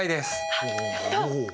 あっやった！